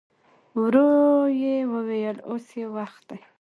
ورو يې وويل: اوس يې وخت دی.